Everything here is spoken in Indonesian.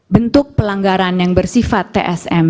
bentuk pelanggaran yang bersifat tsm